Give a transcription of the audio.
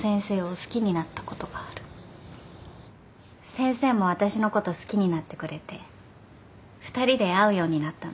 先生も私のこと好きになってくれて２人で会うようになったの。